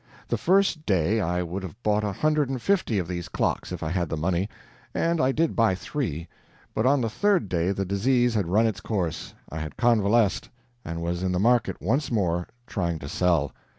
The first day, I would have bought a hundred and fifty of these clocks if I had the money and I did buy three but on the third day the disease had run its course, I had convalesced, and was in the market once more trying to sell.